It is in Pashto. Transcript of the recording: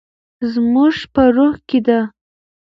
زموږ په روح کې ده.